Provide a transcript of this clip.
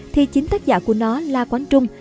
thì chính tác giả của nó la quán trung